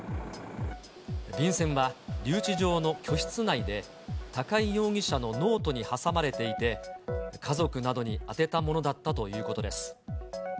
便箋は留置場の居室内で、高井容疑者のノートに挟まれていて、家族などに宛てたものだったということです。